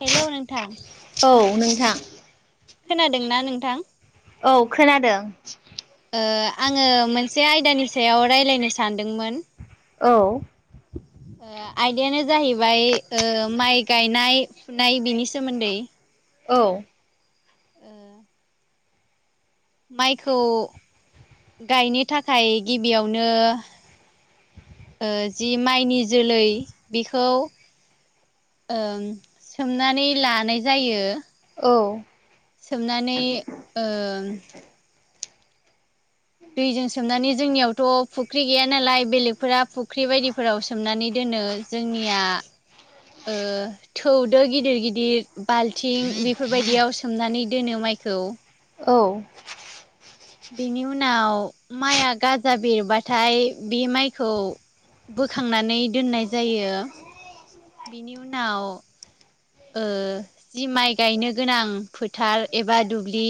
Hello नोंथां औ नोंथां, खोनादोंना नोंथां? औ खोनादों आङो मोनसे आयदानि सायाव रायज्लायनो सानदोंमोन, औ, ए आयदायानो जाहैबाय माइ गायनाय फुनाय बिनि सोमोन्दै, औ, ओ माइखौ गायनो थाखाय गिबियावनो- ओ जि माइनि जोलै बेखौ ओं सोमनानै लानाय जायो, औ, सोमनानै ओ दैजों सोमनानै जोंनियावथ' फुख्रि गैया, नालाय बेलेगफोरा फुख्रि बायदिफोराव सोमनानै दोनो जोंनिया ओ थौ दो गिदिर गिदिर बाल्थिं बेफोरबायदियाव सोमनानै दोनो माने मायखौ औ, बेनि उनाव, बोखांनानै दोननाय जायो बेनि उनाव- ओ जि माइ गायनो गोनां फोथार एबा दुब्लि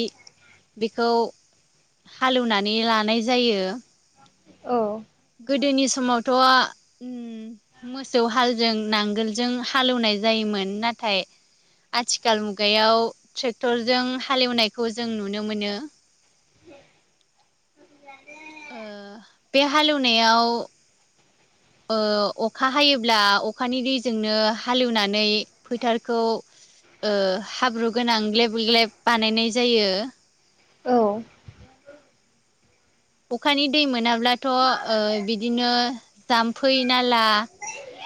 बेखौ हालेवनानै लानाय जायो, औ गोदोनि समावथ' मोसौ हालजों नांगोलजों हालौवनाय जायोमोन नाथाय आथिखाल मुगायाव ट्रेक्टरजों हालेवनायखौ जों नुनो मोनो। ओ बे हालेवनायाव अखा हायोब्ला अखानि दैजोंनो हालेवनानै फोथारखौ ओ हाब्रु गोनां ग्लेब ग्लेब बानायनाय जायो औ अखानि दै मोनाब्लाथ' बिदिनो जाम्फै नाला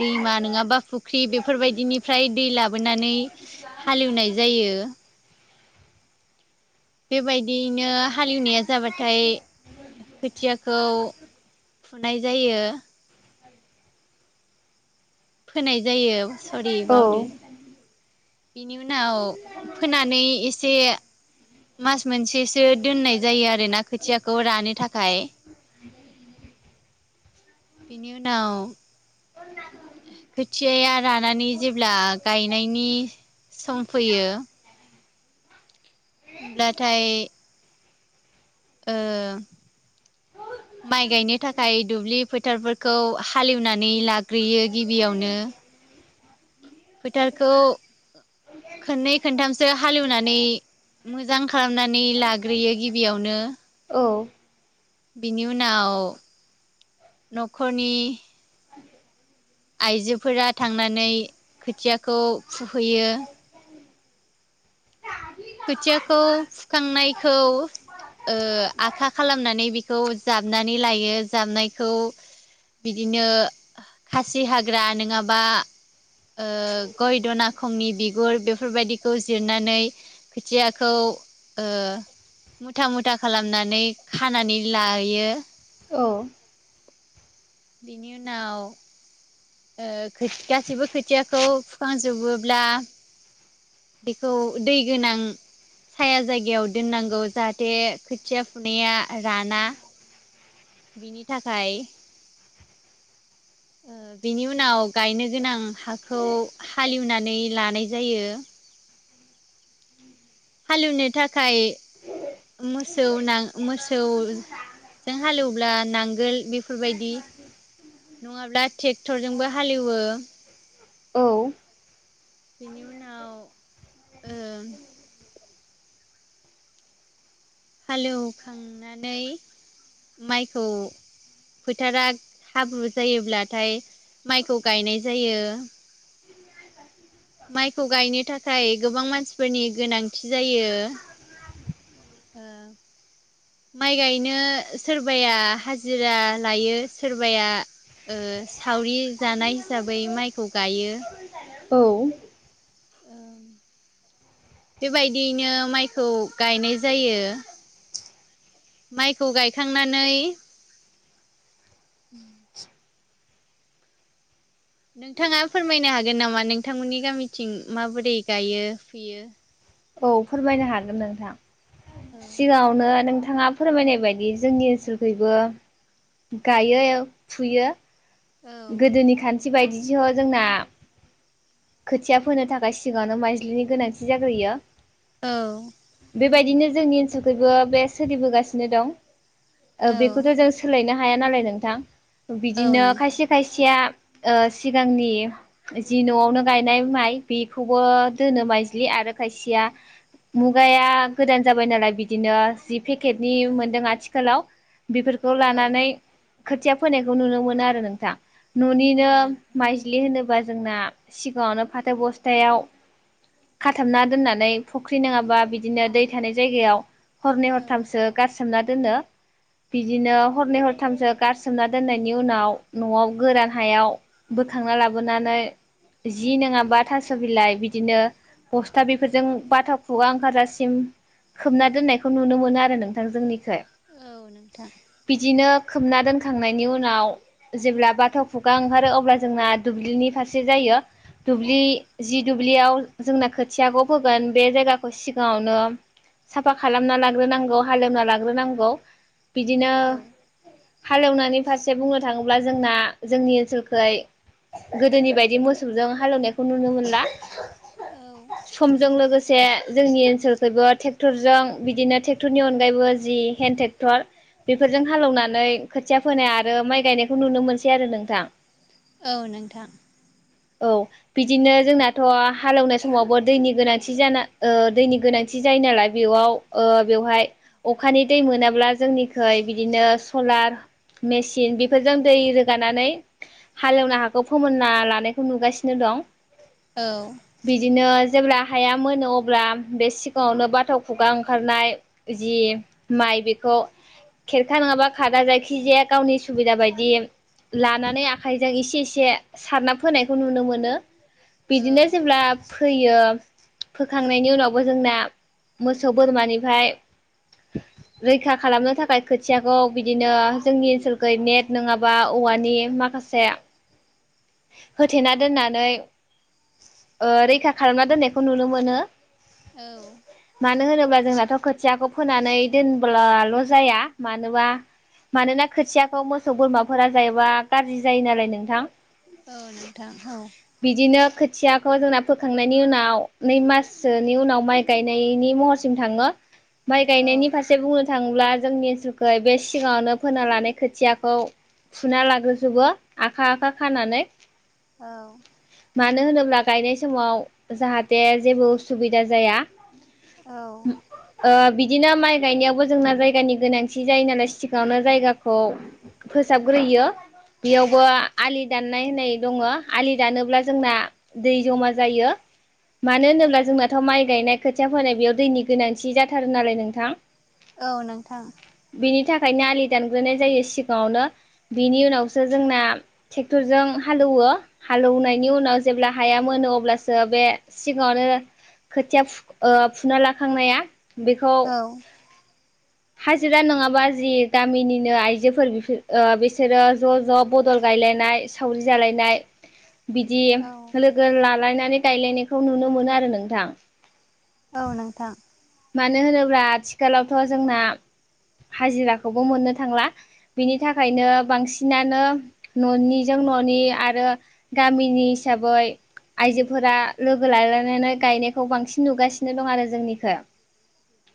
दैमा नङाबा फुख्रि बेफोरबायदिनिफ्राय दै लाबोनानै हालेवनाय जायो गो बेबायदियैनो हालेवनाया जाबाथाय खोथियाखौ फुनाय जायो फोनाय जायो सरि औ बावदो बेनि उनाव फोनानै एसे मास मोनसेसो दोननाय जायो आरो ना खोथियाखौ रानो थाखाय बिनि उनाव खोथियाया रानानै जेब्ला गायनायनि समफैयो होमब्लाथाय ओ माइ गायनो थाखाय दुब्लि फोथारफोरखौ हालेवनानै लाग्रोयो गिबियावनो फोथारखौ खननै खोनथामसो हालेवनानै मोजां खालामनानै लाग्रोयो गिबियावनो औ बिनि उनाव न'खरनि आइजोफोरा थांनानै खोथियाखौ फुहैयो खोथियाखौ फुखांनायखौ आखा खालामनानै बेखौ जाबनानै लायो जाबनायखौ बिदिनो खासि हाग्रा नङाबा ओ गय दनाखंनि बिगुर बेफोरबायदिखौ जिरनानै खोथियाखौ ओ मुथा मुथा खालामनानै खानानै लायो। औ बिनि उनाव ओ गासैबो खोथियाखौ फुखांजोबोब्ला बेखौ दै गोनां साया जायगायाव दोननांगौ जाहाथे खोथिया फुनाया राना बिनि थाखाय बिनि उनाव गायनो गोनां हाखौ हालेवनानै लानाय जायो हालेवनो थाखाय मोसौ नां मोसौ जों हालेवब्ला नांगोल बेफोरबायदि नङाब्ला ट्रेक्टरजोंबो हालेवो औ बेनि उनाव ओ हालेवखांनानै माइखौ फोथारा हाब्रु जायोब्लाथाय माइखौ गायनाय जायो माइखौ गायनो थाखाय गोबां मानसिफोरनि गोनांथि जायो [inaudible] माइ गायनो सोरबाया हाजिरा लायो सोरबाया ओ सावरि जानाय हिसाबै माइखौ गायो औ ओ बेबायदियैनो माइखौ गायनाय जायो। माइखौ गायखांनानै [inaudible] नोंथाङा फोरमायनो हागोन नामा नोंथांमोननि गामिथिं माबोरै गायो फुयो औ फोरमायनो हागोन नोंथां सिगाङावनो नों थाङा फोरमायनाय बायदि जोंनि ओनसोलखैबो गायो फुयो औ गोदोनि खान्थि बायदिसोह जोंना खोथिया फोनो थाखाय सिगांनो माइजलिनि गोनांथि जाग्रोयो औ बेबायदिनो जोंनि ओनसोलखबो बे सोलिबोगासिनो दं औ बेखौथ' जों सोलायनो हायो हाया नालाय नोंथां औ बिदिनो नोंथां खायसे या ओ सिगांनि जि न'आवनो गायनाय माइ बेखौबो दोनो माइ ज्लि आरो खायसेया मुगाया गोदान जाबाय नालाय बिदिनो जि पेकेटनि औ मोनदों आथिखालाव बेफोरखौ लानानै औ खोथिया फोनायखौ नुनो मोनो आरो नोंथां न'निनो औ नोंथां माइज्लि होनो बा जोंना सिगाङावनो फाथो बस्थायाव खाथाबना दोननानै फुख्रि नङाबा बिदिनो दै थानाय जायगायाव हरनै औ हरथामसो गारसोमना दोनो बिदिनो हरनै हरथामसो गारसोमना दोननायनि उनाव न'आव गोरान हायाव बोखांना लाबोनानै जि नङाबा थास' बिलाइ बिदिनो बस्था बेफोरजों बाथा खुवा ओंखारजासिम खोबना दोननायखौ नुनो मोनो आरो नोंथां जोंनि जाय औ नोंथां बिदिनो खोमना दोनखांनायनि उनाव जेब्ला बा थाव खुगा ओंखारो अब्ला जोंना दुब्लिनि फारसे जायो। दुब्लि जि दुब्लियाव जोंना खोथियाखौ फोगोन बे जायगाखौ सिगाङावनो साफा खालामना लाग्रोनांगौ हालेवना लाग्रोनांगौ। बिदिनो औ हालेवनायनि फारसे बुंनो थाङोब्ला जोंना जोंनि ओनसोलखहाय गोदोनि बायदि मोसौजों हालेवनायखौ नुनो मोनला औ समजों लोगोसे से जोंनि ओनसोलखबो ट्रेक्टरजों बिदिनो ट्रेक्टरनि अनगायैबो जि हेन्दड ट्रेक्टर बेफोरजों हालेवनानै खोथिया फोनाय आरो माइ गायनायखौ नुनो मोनसै आरो नोंथां। औ नोंथां। औ बिदिनो जोंनाथ' हालौवनाय समावबो दैनि गोनांथि जाना दैनि गोनांथि जायो नालाय बेयाव ओ बेहाय अखानि दै मोनाब्ला जोंनि बिदिनो ब्लार मिसिं बेफोरजों दै रो गानानै हालेवना हाखौ फोमोनना लानायखौ नुगासिनो दं। औ बिदिनो जेब्ला हाया मोनो अब्ला बे सिगाङावनो बाथौ खुगा ओंखारनाय जि माइ बेखौ खेरखा नङाबा खादा जायखिजाया गावनि सुबिदा बायदि लानानै आखाइजों एसे एसे साराब फोनायखौ नुनो मोनो। बिदिनो औ जेब्ला फोयो फोखांनायनि उनावबो जोंना मोसौ बोरमानिफ्राय रैखा खालामनो थाखाय खोथियाखौ बिदिनो जोंनि ओनसोलखै नेट नङाबा औवानि माखासे होथेना दोननानै रैखा खालामना दोननायखौ नुनो मोनो। औ मानो होनोब्ला जोंनाथ' खोथियाखौ फोनानै दोनब्ला ल 'जाया मानोबा मानोना खोथियाखौ मोसौ बोरमाफोरा जायोबा गाज्रि जायो नालाय नोंथां औ नोंथां औ‌। बिदिनो खोथियाखौ जोंना फोखांनायनि उनाव नै माससोनि उनाव माइ गायनायनि महरसिम थाङो माइ गायनायनि औ फारसे बुंनो थाङोब्ला जोंनि ओनसोलखौ बे सिगाङावनो फोना लानाय खोथियाखौ फुना लाग्रोजोबो आखा आखा खानानै औ मानो होनोब्ला गायनाय समाव जाहाथे जेबो उसुबिदा जाया औ ओ बि दिनो माइ गायनायावबो जोंना जायगानि गोनांथि जायो नालाय सिगावनो जायगाखौ फोसाबग्रोयो बेयावबो आलि दाननाय होननाय दङ आलि दानोब्ला जोंना दै जमा जायो मानो होनोब्ला औ जोंनाथ' माइ गायनाय खोथिया फोनाय बेयाव दैनि गोनांथि जाथारो नालाय नोंथां। औ नोंथां। ओंखायनो आलि दानग्रोनाय जायो सिगाङावनो बिनि उनावसो जोंना ट्रेक्टरजों हालौवो हालेवनायनि उनाव जेब्ला हाया मोनो अब्लासो बे सिगाङावनो खोथिया फु फुना लाखांनाया बेखौ औ हाजिरा नङाबा जि गामिनिनो आइजोफोरफोर बिसोरो ज' ज' बदल गाय रायलायनाय सावरि जालायनाय बिदि औ लोगो लालायनानै गायलायनायखौ नुनो मोनो आरो नोंथां। औ नोंथां। मानो होनोब्ला आथिखालावथ' जोंना हाजिराखौबो मोननो थांला । बिनि थाखायनो बांसिनानो न'निजों न'नि आरो गामिनि हिसाबै आइजोफोरा लोगो लालायनानै गायनायखौ बांसिन नुगासिनो दं आरो जोंनिखै ।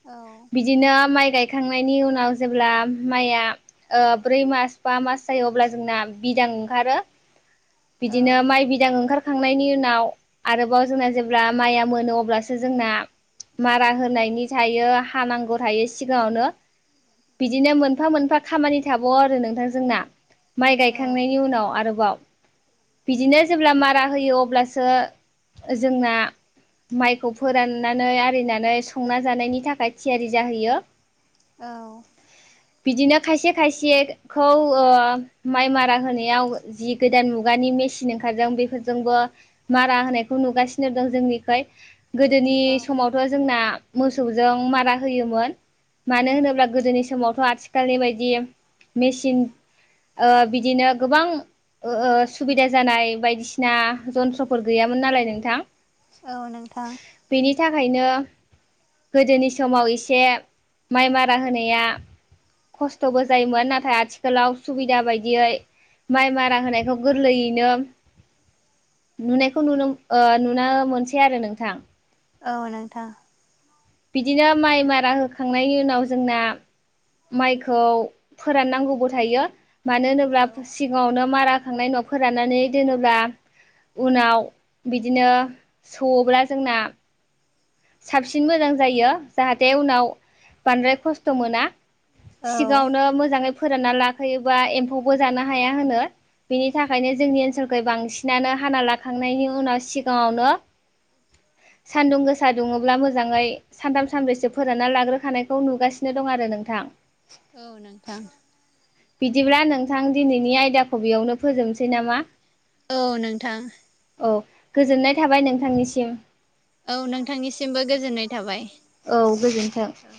औ बिदिनो माइ गायखांनायनि उनाव जेब्ला माया ओ ब्रै मास बा मास जायो अब्ला जोंना बिदां ओंखारो । [unintelligible] बिदिनो औ माइ बिदां ओंखार खांनायनि उनाव आरोबाव जोंना जेब्ला माइया मोनो अब्लासो जोंना मारा होनो होननायनि थायो हानांगौ थायो सिगाङावनो बिदिनो मोनफा मोनफा खामानि थाबाव आरो नोंथांजोंना । माइ औ गायखांनायनि उनाव आरोबाव बिदिनो जेब्ला मारा होयो अब्लासो जोंना माइखौ फोराननानै आरिनानै संना जानायनि थाखाय थियारि जाहैयो । औ । बिदिनो खायसे खायसेखौ ओ माइ मारा होनायाव जि गोदान मुगानि मेसिन ओंखारदों बेफोरजोंबो मारा होनायखौ नुगासिनो दं जोंनिखै गोदोनि समावथ' जोंना मोसौजों मारा होयोमोन । मानो होनोब्ला गोदोनि समावथ' आथिखालनि बायदि मेचिन ओ बिदिनो गोबां ओ सुबिदा जानाय बायदिसिना जन्थ्रफोर गैयामोन नालाय नोंथां । औ नोंथां । बिनि थाखायनो गोदोनि समाव एसे माइ मारा होनाया खस्थ'बो जायोमोन नाथाय आथिखालाव सुबिदा बायदियै माइ मारा होनायखौ गोरलैयैनो नुनायखौ नुनो ओ नुनो मोनसै आरो नोंथां। औ नोंथां । बिदिनो माइ मारा होखांनायनि उनाव जोंना माइखौ फोराननांगौबो थायो । मानो होनोब्ला औ सिगाङावनो मारा होखांनाय उनाव फोरानानै दोनोब्ला उनाव बिदिनो सौवोब्ला जोंना साबसिन मोजां जायो जाहाथे उनाव बांद्राय खस्थ' मोना । औ सिगाङावनो मोजाङै फोरानना लाखोयोबा एम्फौबो जानो हाया होनो। बेनि थाखायनो जोंनि ओनसोलखै बांसिनानो हाना लाखांनायनि उनाव सिगाङावनो सान्दुं गोसा फिसा दुङोब्ला मोजाङै सानथाम सानब्रैसो फोरानना लाग्रोखानायखौ नुगासिनो दं आरो नोंथां । औ नोंथां । बिदिब्ला नोंथां दिनैनि आयदाखौ बेयावनो फोजोबनोसै नामा? औ नोंथां। औ गोजोननाय थाबाय नोंथांनिसिम। औ नोंथांनिसिमबो गोजोननाय थाबाय औ गोजोनथों । औ